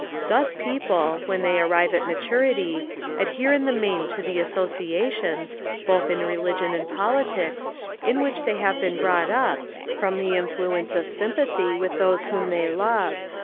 Thus people, when they arrive at maturity, adhere in the main to the associations, both in religion and in politics, in which they have been brought up, from the influence of sympathy with those whom they love.